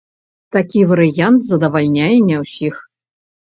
Такі варыянт задавальняе не ўсіх.